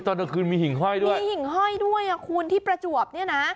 ตอนกลางคืนมีหิ่งห้อยด้วยมีหิ่งห้อยด้วยอ่ะคุณที่ประจวบเนี่ยนะ